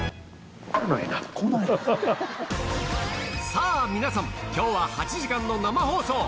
さあ、皆さん、きょうは８時間の生放送。